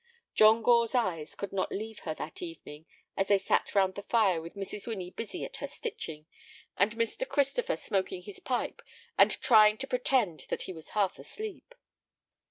John Gore's eyes could not leave her that evening as they sat round the fire with Mrs. Winnie busy at her stitching, and Mr. Christopher smoking his pipe and trying to pretend that he was half asleep.